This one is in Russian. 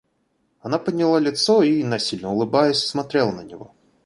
Она подняла лицо и, насильно улыбаясь, смотрела на него.